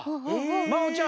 まほちゃん